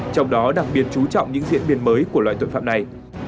trong đó đặc biệt chú trọng những diễn biến mới của loại tội phạm này